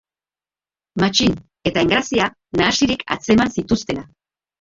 Matxin eta Engrazia nahasirik atzeman zituztela.